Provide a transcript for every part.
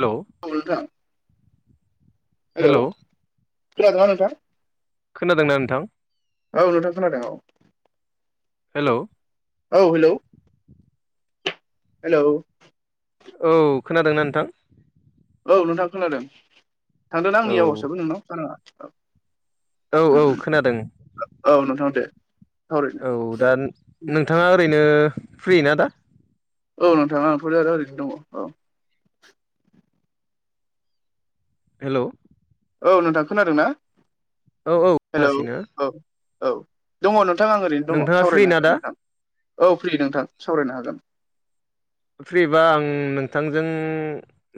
Hello? औ नोंथां, hello hello? खोनादोंना नोंथां? खोनादोंना नोंथां? औ नोंथां खोनादों औ। हेलव? औ हेलौ। हेलौ? औ खोनादोंना नोंथां? औ नोंथा खोनादों। थांदोंना आंनि औ आवासाबो नोंनाव गाराङा? औ। औ औ खोनादों। औ नोंथां दे। सावरायनो औ दा हागोन। नोंथाङा ओरैनो फ्रि ना दा? औ नोंथा आंथ' दा ओरैनो दङ। औ हेलव? औ नोंथां खोनादों ना? औ औ हेलव? खोनागासिनो औ औ। दङ नोंथां आं ओरैनो दङ, नोंथाङा फ्रि सावरायनो ना हागोन दा नोंथां औ फ्रि नोंथां सावरायनो हागोन। फ्रिबा आं नोंथांजों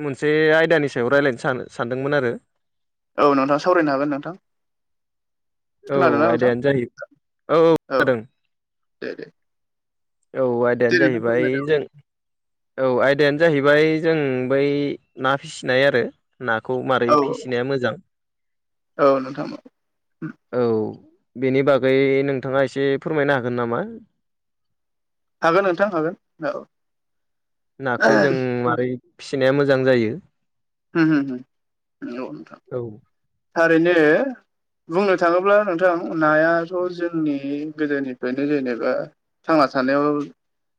मोनसे आयदानि सायाव रायज्लायनो सान-सानदोंमोन आरो। औ नोंथां सावरायनो हागोन नोंथां। औ खोनादोंना नोंथां आयदायानो जाहैबाय औ औ खोनादों। [inaudible] औ दे आयदायानो नोंथां जाहैबाय फोरमायदो जों औ आयदायानो जाहैबाय जों बै ना फिसिनाय आरो। नाखौ मारै औ फिसिनाया मोजां औ नोंथां औ। औ बेनि बागै नोंथाङा एसे फोरमायनो हागोन नामा? हागोन नोंथां हागोन औ। नाखौो जों माबारै फिसिनाया मोजां जायो होम होम होम नंगौ नोंथां। औ थारैनो बुंनो थाङोब्ला नोंथां नायाथ' जोंनि गोदोनिफ्रायनो जेनेबा थांना थानायाव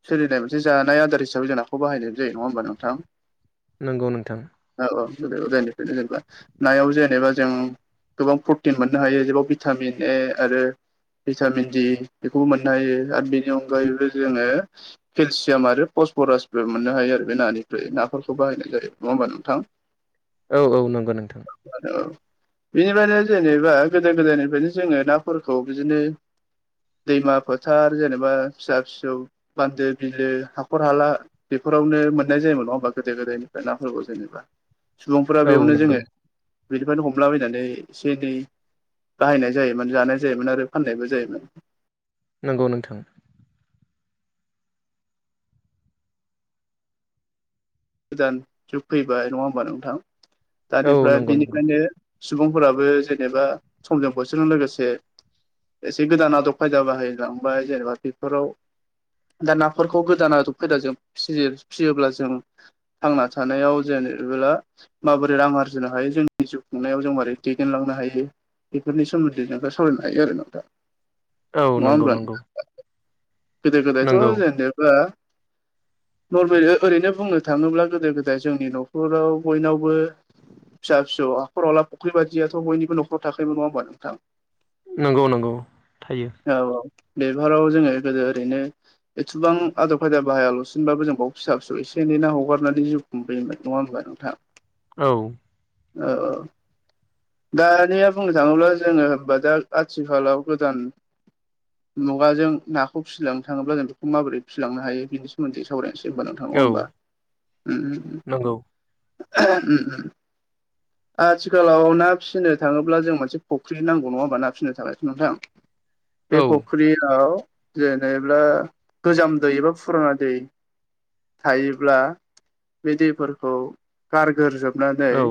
सोलिनाय मोनसे जानाय आदार हिसाबै जों नाखौबो बाहायनाय जायो नङा होमबा नोंथां? नोंगौ नोंथां औ औ गोदो गोदायनिफ्रायनो जेनेबा नायाव जेनेबा जों गोबां प्रटिन मोननो हायो जेराव भिटामिन ए आरो भिटामिन दि बेखौबो मोननो हायो आरो बेनि अनगायैबो जोङो केलसियाम आरो पसफरासबो मोननो हायो आरो बे नानिफ्राय नाफोरखौ बाहायनाय जायो नङा होमबा नङा नोंथां औ औ नंगौ नोंथां आरो बिनिफ्रायनो जेनेबा गोदो गोदायनिफ्रायनो जोङो नाफोरखौ बिदिनो दैमा फोथार जेनेबा फिसा फिसौ बान्दो, बिलो, हाखर हाला बेफोरावनो मोननाय जायोन नङा होमबा गोदो गोदायनिफ्राय नाफोरखौ जेनेबा? सुबुंफोरा औ बेयावनो नंगौ जोङो बेनिफ्रायनो हमलाबायनानै एसे एनै बाहायनाय जायोमोन, जानाय जायोमोन आरो फाननायबो जायोमोन। नंगौ नोंथां। गोदान जुग फैबाय नङा होमबा नोंथां? औ दानिफ्राय नंगौ नंगौ बेनिखायनो सुबुंफोराबो जेनेबा समजों बैसोरजों लोगोसे एसे गोदान आदब खायदा बाहायलांबाय जेनेबा बेफोराव दा नाफोरखौ गोदान आदब खायदाजों फि फिसियोब्ला जों थांना थानायाव जेनेबोला माबोरै रां आरजिनो हायो जोंनि जिउ खुंनायाव जों मोरै दैदेनलांनो हायो बेफोरनि सोमोन्दै जों दा सावरायनो हायो आरो नों दा औ नंगौ नंगौ गोदो गोदायथ' नंगौ जेनेेबा नरवे ओरैनो बुङो थाङोब्ला गोदो गोदाय जोंनि न'खराव बयनावबो फिसा फिसौ हाखरावला फख्रि बायदियाथ' बयनिबो नखराव थाखोमोनलनङा होमबा नोंथां नंगौ नंगौ थायो औ औ बेफोराराव जोङो गोदो ओरैनो एसेबां आदब खायदा बाहाया लाबासिनबाबो जों बाव फिसा फिसौ एसे एनै नांगौ हगारनानै जिउ खुंबोयोमोन नङा होमबा नोंथां औ औ औ दानिया बुंनो थाङोब्ला जोङो होनबा दा आथिखालाव गोदान मुगाजों नाखौ फिसिलांनो थाङोब्ला जों बेखौ माबोरै फिलांनो हायो बेनि सोमोन्दै सावरायनिसै होनबा नङा औ होमबा ओम नंगौ ओम ओम आथिखालाव ना फिसिनो थाङोब्ला जों मोनसे फुख्रि नांगौ नङा होमबा ना फिसिनो थांखाय' नोंथां बे औ फुख्रियाव जेनेबा गोजाम दै एबा फुराना दै थायोब्ला बे दैफोरखौ गारगोरजोबनानै औ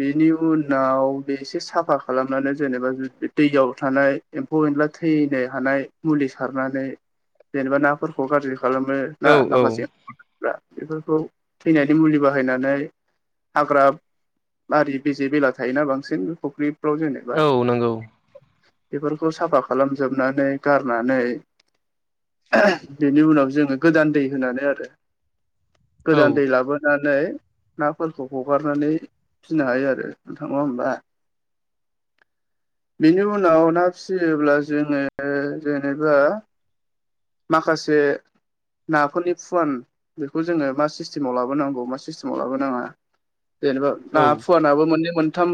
बेनि उनाव बे एसे साफा खालामनानै जेनेबा दैयाव थानाय एम्फौ एनला थैनो हानाय मुलि सारनानै जेनेबा नाफोरखौ गाज्रि खालामो औ ना औ माखासे बेफोरखौ थैनानै मुलि बाहायनानै हाग्रा बारि बेजे बेला थायोना बांसिन बे फुख्रिफ्राव जेनेबा औ नंगौ बेफोरखौ साफा खालामजोबनानै गारनानै बेनि उनाव जों गोदान दै होनानै आरो औ गोदान दै लाबोनानै फिनानै नाफोरखौ हगारनानै फिसिनो हायो आरो नोंथां नङा होमबा बिनि उनाव ना फिसियोब्ला जोङो जेनेबा माखासे नाफोरनि फुवान बेखौ जोङो मा सिस्टेम सिस्टेमाव लाबोनाङा जेनेबा ना औ फुवान नाबो मोननै मोनथाम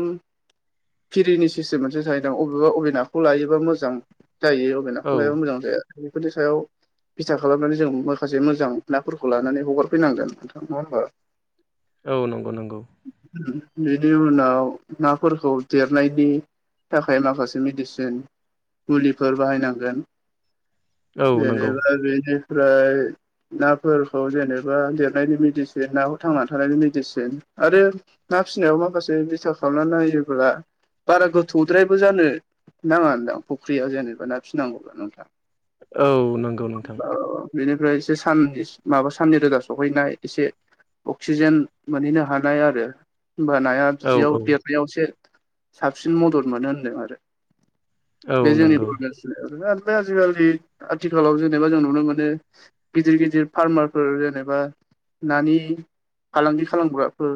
खिरिनि सिस्टेम मोनसे जाहैदों अबेबा अबेनाखौ लायोबा मोजां जायो औ अबेनाखौ लायोबा मोजां जाया। बेफोरनि सायाव बिथा खालामनानै जों माखासे मोजां नाफोरखौ लानानै हगार फैनांगोन नोंथां नङा होमबा। औ नंगौ नंगौ। बिनि उनाव नाफोरखौ देरनायनि थाखाय माखासे मेडिसिन मुलिफोर बाहायनांगोन। औ नंगौ जेनेबा बेनिफ्राय नाफोरखौ जेनेब माबा देरनायनि मेडिसिन नाखौ थांनानै थानायनि मेडिसिन आरो ना फिसिनायाव माखासे बिथा खालामना नाययोब्ला बारा गोथौद्रायबो जानो नाङादां फुख्रिया जेनेबा ना फिसिनांगौब्ला नोंथां औ नंगौ नोंथां बिनिफ्राय एसे साननि माबा साननि रोदा सहैनाय एसे अक्सिजेन मोनहैनो हानाय आरो होनबा नाया औ बिदियाव औ देरनायाव एसे साबसिन मदद मोनो होनदों आरो औ बे जोंनि नंगौ [unintelligible] [unintelligible] आजिखालि आथिखालाव जेनेबा जों नुनो मोनो गिदिर गिदिर फार्मार फोर जेनेबा नानि फालांगि खालामग्राफोर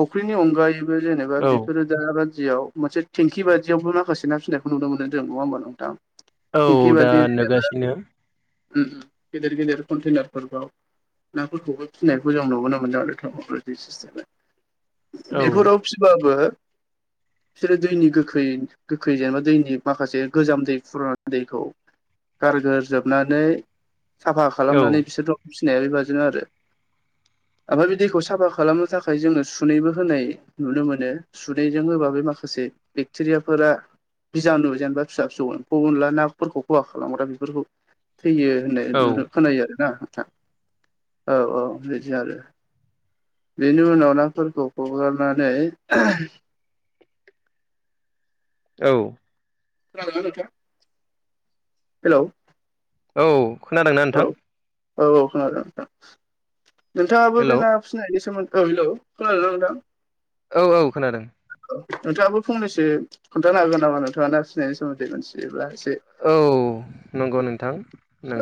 फुख्रिनि अनगायैबो जेनेबा औ बिफोरो दा बादियाव मोनसे टेंखि बादियावबो माखासे ना फसिनायखौ नुनो मोनदों जों नङा होमबा नोंथां? थिंखि बादि [unintelligible] बिनो उम उ गेदेर गेदेर कन्टेनार फोरखौ ना फोरखौबो फिनायखौ जों नुबोनोमोनदों आरो [unintelligible] सिस्टेम औ बेफोराव फिबाबो बिसोरो दैनि गोखै गोखै जेनेबा दैनि माखासे गोजाम दै फुराना दैखौ गारगोर जोबनानै साफा औ खालामनानै बिसोर फिनाया बेबादिनो आरो। ओमफाय बे दैखौ साफा खालामनो थाखाय जोङो सुनैबो होनाय नुनो मोनो। सुैनैजों होबा बे माखासे बेक्टेरियाफोरा बिजानु जेनेबा फिसा फिसौखौ अनला नाफोरखौ खहा खालामग्रा बेफोरखौ थैयो होननाय औ नुयो खोनायो आरोना नथां औ औ बिदि आरो। बेनि उनाव नाफोरखौ हगारनानै औ। खोनादों ना नोंथां? हेलौ औ खोनादोंना औ नोंथां? औ औ खोनादों नोंथां नोंथाङाबो हेलौ बे ना फिनायनि सोमोनदै औ हेलौ खोनादोंना नोंथां? औ औ खोनादों। नोंथाङाबो फंनैसो खोन्थानो हागोन नामा नोंथाङा ना फसिनायनि सोमोन्दै मिथियोब्ला एसे औ नंगौ नोंथां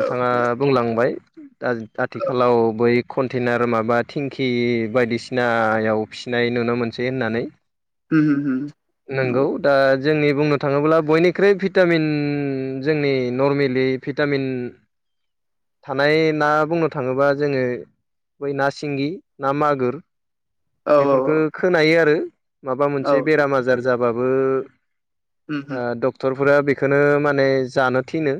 औ बुंलांबाय दा दाथिखालाव बै कन्टेनार माबा थिंकि बायदिसिनायाव फिसिनाय नुनो मोनसै होननानै। उ [unintelligible] नोंगौ। दा जोंनि बुंनो थाङोब्ला बयनिख्रुइ भिटामिन जोंनि नरमेलि भिटामिन थानाय ना बुंनो थाङोबा जोङो बै ना सिंगि ना मागोर औ औ बेफोरफोरखौ औ खोनायो आरो माबा औ मोनसे उम बेराम आजार जाबाबो उम ओ डक्टरफोरा बेखौनो माने जानो थिनो।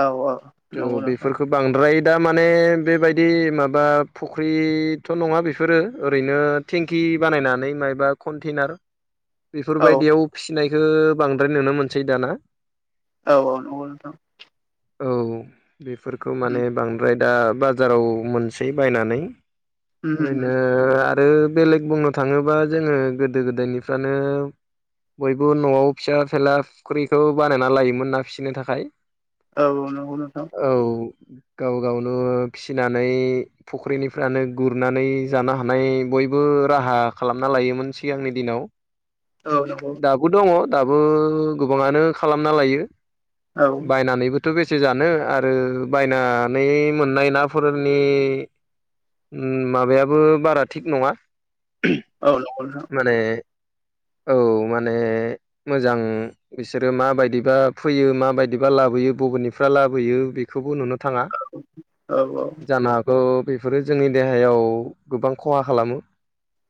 औ औ नंगौ थ नोंथां बेफोरखौ बांद्राय दा माने बेबायदि माबा फुख्रिथ' नङा बेफोरो ओरैनो टेंकि बानायनानै मायबा कन्टेनार औ बेफोरबायदियाव फिसिनायखौ बांद्राय नुनो मोनसै दाना। औ औ नंगौ नोंथां। औ बेफोरखौ माने बांद्राय दा बाजाराव मोनसै बायनानै उम उम ओरैनो आरो बेलेग बुंनो थाङोबा जोंङो गोदो गोदायनिफ्रानो बयबो नआव फिसा फिला फुख्रिखौ बानायना लायोमोन ना फिसिनो थाखाय। औ नंगौ नोंथां। औ गाव गावनो फिनानै फुख्रिनिफ्रानो गुरनानै जानो हानाय बयबो राहा खालामना लायोमोन सिगांनि दिनाव। औ [unintelligible] दाबो दङ दाबो गोबाङानो खालामना लायो औ बायनानैबो थ बेसे जानो आरो बायनानै मोननाय नाफोरनि माबायाबो बारा थिग नङा। औ नंगौ नों थां। माने औ माने मोजां बिसोरो माबायदिबा फैयो माबायदिबा लाबोयो बबेनिफाय लाबोयो बेखौबो नुनो थाङा। औ औ। जानो हागौ बेफोरो जोंनि देहायाव गोबां खहा खालामो।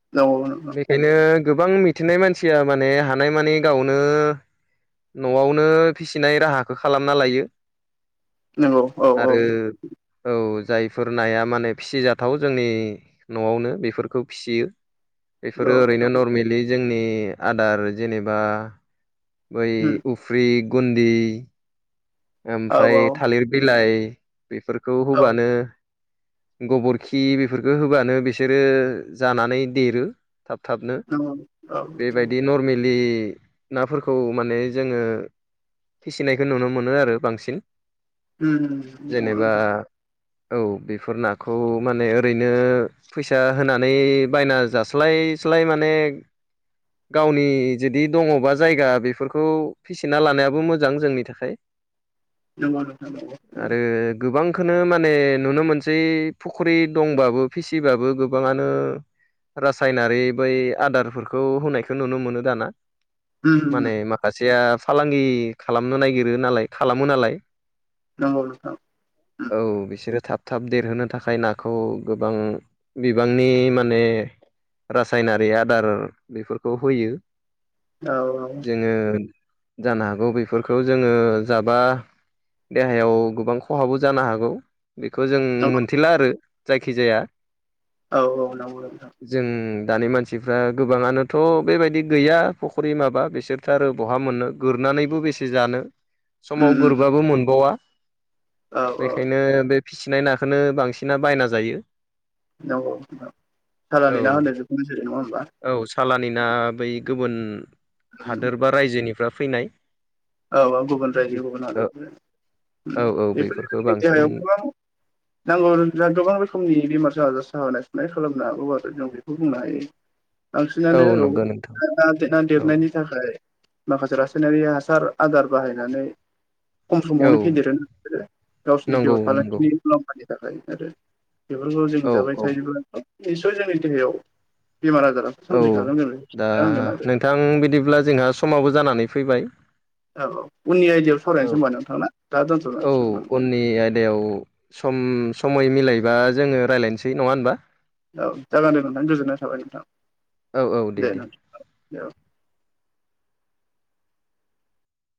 [unintelligible] बेनो गोबां मिथिनाय मानसिया माने हानायमानि गावनो न'आवनो फिसिनाय राहाखौ खालामना लायो। नंगौ औ औ आरो औ जायफोर नाया माने फिसिजाथाव जोंनि न'आवनो बेफोरखौ फिसियो। बेफोरो औ ओरैनो नंगौ नरमेलि जोंनि आदार जेनेबा बै उम उफ्रि गुन्दि औ ओमफ्राय औ थालिर बिलाइ बेफोरखौ औ होबानो गबरखि बेफोरखो होबानो बिसोरो जानानै देरो। थाब थाबनो नंगौ औ बे बायदि नरमेलि नाफोरखौ माने जोंङो फिसिनायखौ नुनो मोनो आरो। बांसिन उम नंगौ जेनेबा नोंथां औ बेफोर नाखौ माने ओरैनो फैसा होनानै बायना जास्लायस्लाय माने गावनि जुदि दङबा जायगा बेफोरखौ फिसिना लानायाबो मोजां जोंनि थाखाय। नंगौ नोंथां नंगौ। आरो गोबांखोनो माने नुनो मोनसै फुख्रि दंबाबो फिसिबाबो गोबाङानो रासायनारि बै आदारफोरखौ होनायखौ नुनो मोनो दाना। उम माने उम माखासेया फालांगि खालामनो नागिरो नालाय खालामो नालाय। नंगौ नोंथां। उम औ बिसोरो थाब थाब देरहोनो थाखाय नाखौ गोबां बिबांनि माने रासायनारि आदार बेफोरखौ होयो। औ जोंङो जानो हागौ बेफोरखौ जोंङो जाबा देहायाव गोबां खहाबो जानो हागौ बेखौ जों औ मोनथि ला आरो जायखिजाया। औ औ नांगौ नोंथां। जों दानि मानसिफ्रा गोबाङानोथ' बेबायदि गैया फख्रि माबा बिसोर थारो बहा मोननो गोरनानैबो बेसे जानो। समाव उम उम गोरबाबो मोनबावा औ औ बेखायनो बे फिसिनाय नाखोनो बांसिना बायना जायो। औ औ नोंथां। सालानि ना औ होनो बेखौनो जेराव नङा होमबा? औ सालानि ना बै गोबोन हादोर बा रायजोनिफ्रा फैनाय। औ औ गुबुन रायजोनि गुबुन हादरनि औ उम औ बेफोर बेफोरखौ जोंनि बांसिन देहायाव गोबां नांगौ [unintelligible] गोबां रोखोमनि बेमार आजार सागानाय सुनाय खालामनो हागौ आरो जों बेखौ बुंनो हायो। औ बांसिनानो नंगौ नोंथां औ देना औ देरनायनि थाखाय माखासे रासायनारि हासार आदार बाहायनानै खम औ समावनो फेदेरो [unintelligible] गावसिनि नंगौ बेहस नंगौ फालांगिनि मुलामफानि थाखाय आरो बेफोरखौ जों औ जाबाय औ थायोब्ला निस्सय जोंनि देहायाव बेमार आजाराथ सोमजिखागोन जों बेखौ [unintelligible] आरो थां बिदिब्ला जोंहा समाबो जानानै फैबाय। औ औ उननि आयदायाव औ सावरायनोसै होमबा ना नोंथां दा दोनथ'नांसिगोन होनबा नोंथां। नि आयदायाव सम समय मिलायबा जोंङो रायजलायनोसै नङा होनबा? औ जागोन दे नोंथां गोजोननाय थाबाय नोंथां दे नोंथां औ दे औ।